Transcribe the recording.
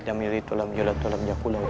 lam yulatul amyulatul amyakul